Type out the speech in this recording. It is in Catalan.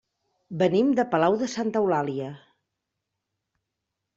Venim de Palau de Santa Eulàlia.